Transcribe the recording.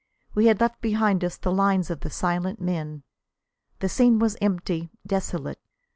We had left behind us the lines of the silent men. The scene was empty, desolate.